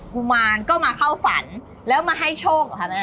กุมารก็มาเข้าฝันแล้วมาให้โชคเหรอคะแม่